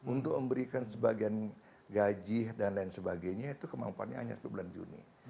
untuk memberikan sebagian gaji dan lain sebagainya itu kemampuannya hanya bulan juni